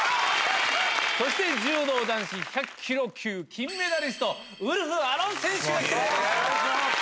そして柔道男子１００ｋｇ級金メダリストウルフアロン選手です。